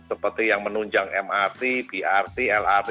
seperti yang menunjang mrt brt lrt